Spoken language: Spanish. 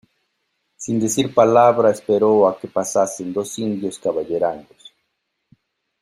sin decir palabra esperó a que pasasen dos indios caballerangos